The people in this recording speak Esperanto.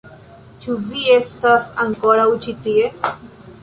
Ĉu vi estas ankoraŭ ĉi tie?